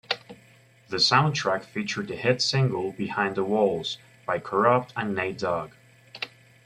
The soundtrack featured the hit single "Behind The Walls" by Kurupt and Nate Dogg.